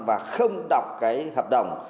và không đọc hợp đồng